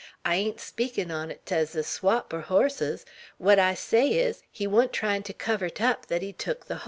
"I ain't a speakin' on 't ez a swap er hosses. What I say is, he wa'n't tryin' to cover 't up thet he'd tuk the hoss.